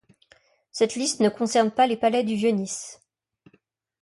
Cette liste ne concerne pas les Palais du Vieux-Nice.